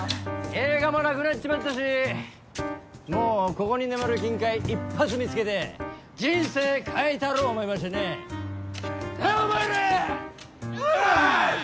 映画もなくなっちまったしもうここに眠る金塊一発見つけて人生変えたろう思いましてねなあお前ら！うっす！